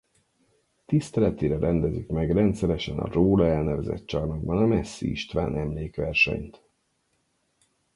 Tiszteletére rendezik meg rendszeresen a róla elnevezett csarnokban a Messzi István Emlékversenyt.